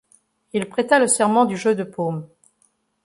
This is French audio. Il prêta le Serment du Jeu de Paume.